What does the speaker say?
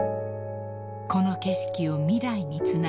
［この景色を未来につなぐ］